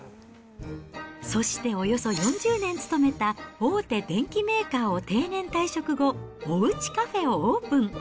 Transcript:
そしておよそ４０年勤めた大手電機メーカーを定年退職後、おうちカフェをオープン。